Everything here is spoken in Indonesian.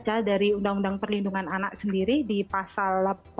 ini saja dari undang undang perlindungan anak sendiri di pasal delapan puluh satu